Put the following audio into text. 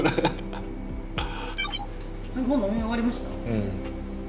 うん。